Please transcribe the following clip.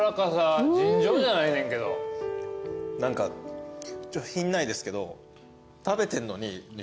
何か品ないですけど。